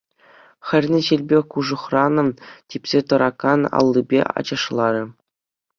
Хӗрне ҫилпе кушӑрханӑ, типсе тӑракан аллипе ачашларӗ.